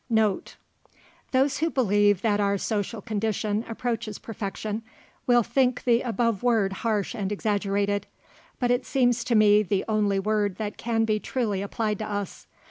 NOTE. THOSE who believe that our social condition approaches perfection, will think the above word harsh and exaggerated, but it seems to me the only word that can be truly applied to us.